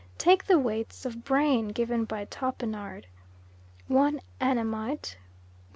Take the weights of brain given by Topinard: 1 Annamite ..